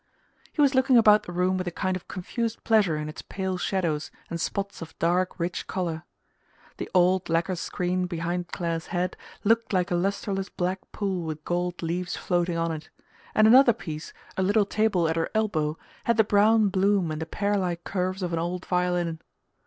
He was looking about the room with a kind of confused pleasure in its pale shadows and spots of dark rich colour. The old lacquer screen behind Clare's head looked like a lustreless black pool with gold leaves floating on it; and another piece, a little table at her elbow, had the brown bloom and the pear like curves of an old violin.